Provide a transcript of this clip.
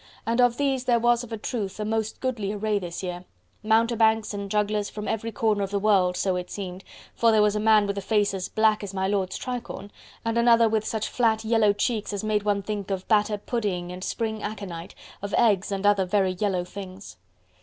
And of these there was of a truth a most goodly array this year: mountebanks and jugglers from every corner of the world, so it seemed, for there was a man with a face as black as my lord's tricorne, and another with such flat yellow cheeks as made one think of batter pudding, and spring aconite, of eggs and other very yellow things.